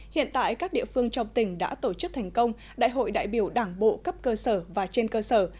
hiện tại các địa phương trong tỉnh đã tổ chức thành công đại hội đại biểu đảng bộ cấp cơ sở và trên cơ sở